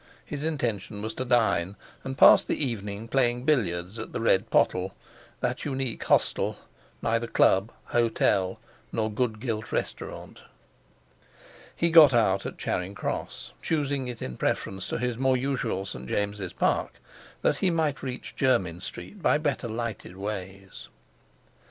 His intention was to dine, and pass the evening playing billiards at the Red Pottle—that unique hostel, neither club, hotel, nor good gilt restaurant. He got out at Charing Cross, choosing it in preference to his more usual St. James's Park, that he might reach Jermyn Street by better lighted ways.